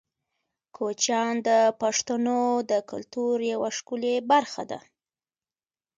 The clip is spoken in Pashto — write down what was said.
کوچیان د پښتنو د کلتور یوه ښکلې برخه ده.